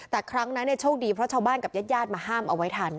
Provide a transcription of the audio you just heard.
แต่ครั้งนั้นโชคดีเพราะชาวบ้านกับญาติมาห้ามเอาไว้ทัน